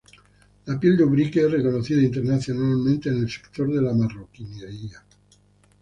La piel de Ubrique es reconocida internacionalmente en el sector de la marroquinería.